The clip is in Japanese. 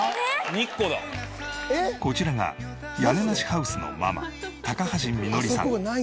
こちらが屋根なしハウスのママ橋みのりさん。